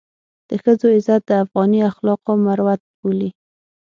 د ښځو عزت د افغاني اخلاقو مروت بولي.